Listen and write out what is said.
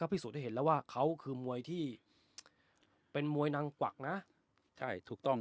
พิสูจน์ให้เห็นแล้วว่าเขาคือมวยที่เป็นมวยนางกวักนะใช่ถูกต้อง